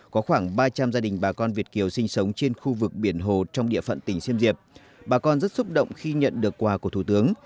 có khoảng ba trăm linh gia đình bà con việt kiều sinh sống trên khu vực biển hồ trong địa phận tỉnh xêm diệp bà con rất xúc động khi nhận được quà của thủ tướng